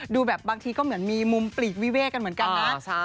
ดูแบบบางทีก็เหมือนมีมุมปลีกวิเวกกันเหมือนกันนะ